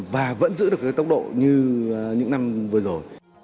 và vẫn giữ được cái tốc độ như những năm vừa rồi